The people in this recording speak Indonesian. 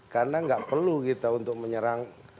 karena gak perlu kita untuk menyerang